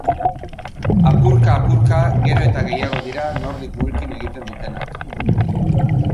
Apurka-apurka gero eta gehiago dira nordic walking egiten dutenak.